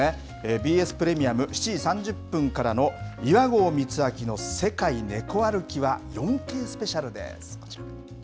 ＢＳプレミアム７時３０分からの岩合光昭の世界ネコ歩きは４Ｋスペシャルです。